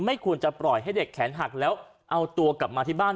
ไม่ควรจะปล่อยให้เด็กแขนหักแล้วเอาตัวกลับมาที่บ้าน